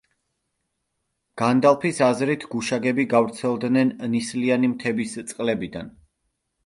განდალფის აზრით, გუშაგები გავრცელდნენ ნისლიანი მთების წყლებიდან.